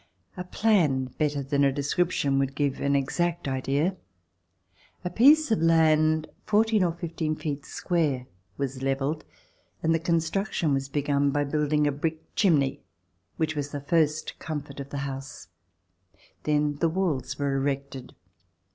A plan better than a description would give an exact idea. A piece of land fourteen or fifteen feet square was levelled and the construction was begun by building a brick chimney, which was the first comfort of the house; then the walls were erected.